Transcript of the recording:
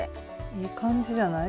いい感じじゃない？